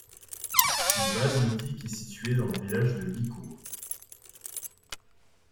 Une base nautique est située dans le village de Liku.